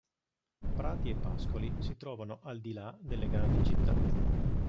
Prati e pascoli si trovano al di là delle grandi città.